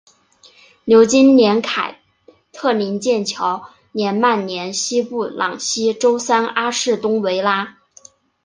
牛津联凯特灵剑桥联曼联西布朗锡周三阿士东维拉